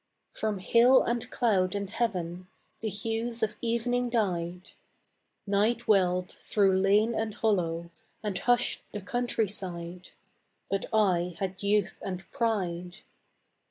From hill and cloud and heaven The hues of evening died; Night welled through lane and hollow And hushed the countryside, But I had youth and pride.